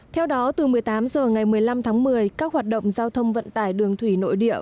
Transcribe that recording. theo đó từ một mươi tám h ngày một mươi năm tháng một mươi các hoạt động giao thông vận tải đường thủy nội địa